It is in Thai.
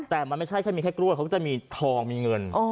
แต่มันไม่ใช่แค่มีแค่กล้วยเขาก็จะมีทองมีเงิน